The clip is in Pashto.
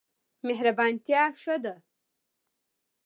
مهربانتیا ښه ده.